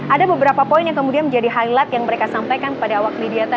ada beberapa poin yang kemudian menjadi highlight yang mereka sampaikan kepada awak media